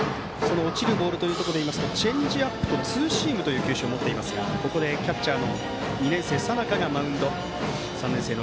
落ちるボールでいいますとチェンジアップとツーシームの球種を持っていますがここでキャッチャーの２年生佐仲がマウンドへ。